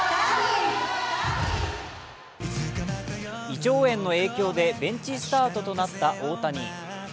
胃腸炎の影響でベンチスタートとなった大谷。